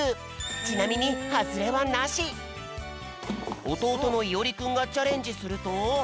ちなみにおとうとのいおりくんがチャレンジすると。